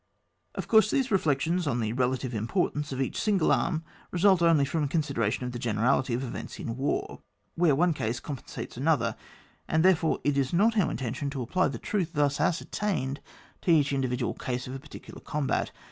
Of course these reflections on the rela tive importance of each single arm result only from a consideration of the gene rality of events in war, where one case compensates another; and therefore it is not our intention to apply the truth thus ascertained to each individual case of a particular combat.